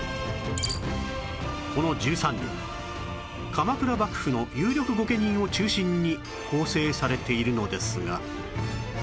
この１３人鎌倉幕府の有力御家人を中心に構成されているのですが